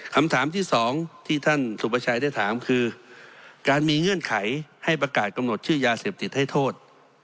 คำถามที่สองที่ท่านสุประชัยได้ถามคือการมีเงื่อนไขให้ประกาศกำหนดชื่อยาเสพติดให้โทษ